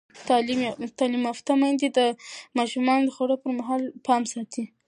تعلیم یافته میندې د ماشومانو د خوړو پر مهال پام ساتي.